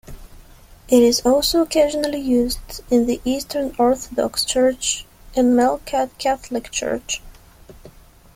It is also occasionally used in the Eastern Orthodox Church and Melkite Catholic Church.